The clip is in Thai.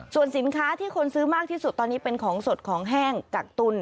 ส่วนสินค้าที่คนซื้อมากที่สุดตอนนี้เป็นของสดของแห้งกักตุล